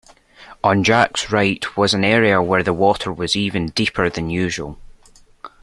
On Jack’s right was an area where the water was even deeper than usual